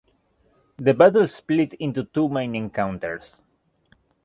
The battle split into two main encounters.